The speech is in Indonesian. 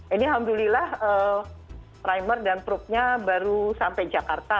ini alhamdulillah primer dan probe nya baru sampai jakarta